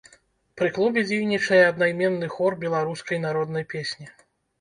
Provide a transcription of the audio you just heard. Пры клубе дзейнічае аднайменны хор беларускай народнай песні.